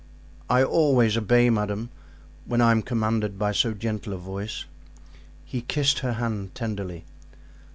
"I always obey, madame, when I am commanded by so gentle a voice." He kissed her hand tenderly.